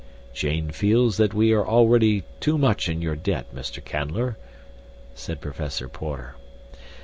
"Jane feels that we are already too much in your debt, Mr. Canler," said Professor Porter.